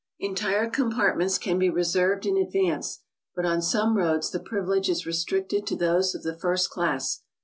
Entire compartments can be reserved in advance, but on some roads the privilege is restricted to those of the first class.